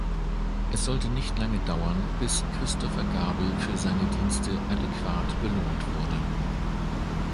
Es sollte nicht lange dauern, bis Christoffer Gabel für seine Dienste adäquat belohnt wurde.